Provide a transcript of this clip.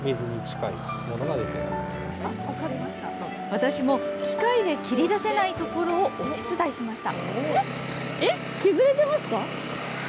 私も、機械で切り出せないところをお手伝いしました。